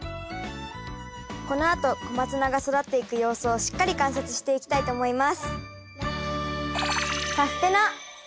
このあとコマツナが育っていく様子をしっかり観察していきたいと思います。